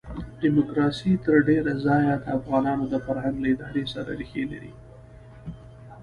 ډیموکراسي تر ډېره ځایه د افغانانو د فرهنګ له ادارې سره ریښې لري.